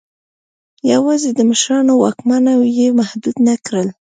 یوازې د مشرانو واکونه یې محدود نه کړل.